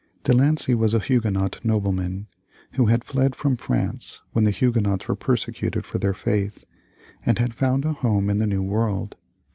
De Lancey was a Huguenot nobleman, who had fled from France when the Huguenots were persecuted for their faith, and had found a home in the new world.